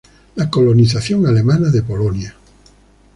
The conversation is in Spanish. La colonización alemana de Polonia.